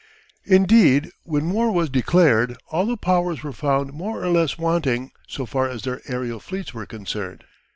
Indeed, when war was declared, all the Powers were found more or less wanting so far as their aerial fleets were concerned.